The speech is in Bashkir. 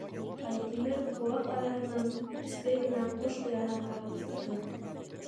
Айтимер ҡыуаҡ араһынан кескәй генә ҡош ояһы табып сыҡты.